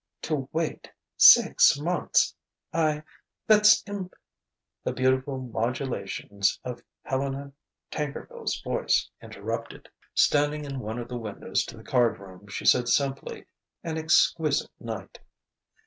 To wait six months I that's im " The beautiful modulations of Helena Tankerville's voice interrupted. Standing in one of the windows to the card room, she said simply: "An exquisite night."